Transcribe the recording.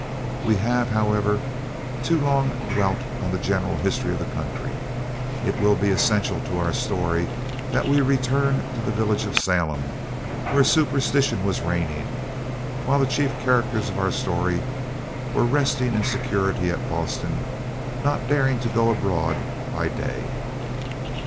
We have, however, too long dwelt on the general history of the country. It will be essential to our story that we return to the village of Salem where superstition was reigning, while the chief characters of our story were resting in security at Boston, not daring to go abroad by day.